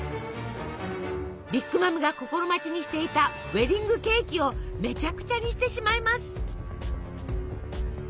ビッグ・マムが心待ちにしていたウエディングケーキをめちゃくちゃにしてしまいます。